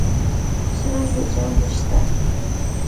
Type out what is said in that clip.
شرنګ د جام نشته